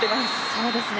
そうですね。